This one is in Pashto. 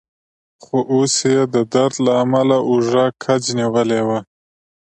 خو اوس يې د درد له امله اوږه کج نیولې وه.